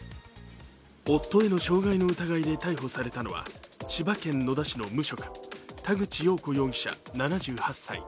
夫への傷害の疑いで逮捕されたのは、千葉県野田市の無職、田口よう子容疑者７８歳。